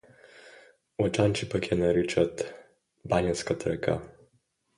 Лъджанци пък я наричат: Банянската река.